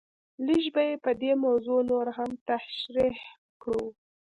لږ به یې په دې موضوع نور هم تشریح کړو.